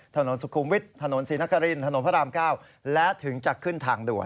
ถนนสุขุมวิทย์ถนนศรีนครินถนนพระราม๙และถึงจะขึ้นทางด่วน